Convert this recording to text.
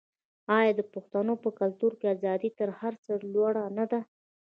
آیا د پښتنو په کلتور کې ازادي تر هر څه لوړه نه ده؟